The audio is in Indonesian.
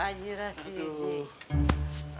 pak haji serah si dik